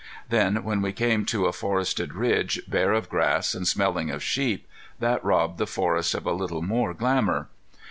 Then when we came to a forested ridge bare of grass and smelling of sheep, that robbed the forest of a little more glamour.